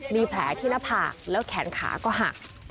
มีแผลที่หน้าผากแล้วแขนขาก็หัก